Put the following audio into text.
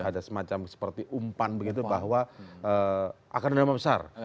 ada semacam seperti umpan begitu bahwa akan ada nama besar